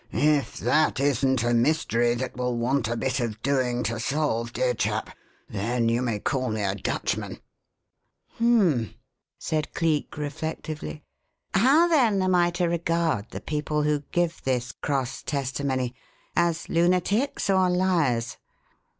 If that isn't a mystery that will want a bit of doing to solve, dear chap, then you may call me a Dutchman." "Hum m m!" said Cleek reflectively. "How, then, am I to regard the people who give this cross testimony as lunatics or liars?"